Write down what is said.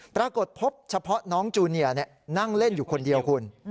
ปรากฏพบเฉพาะน้องจูเนียนั่งเล่นอยู่คนเดียวคุณ